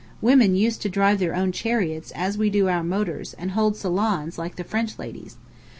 Women used to drive their own chariots, as we do our motors, and hold salons, like the French ladies.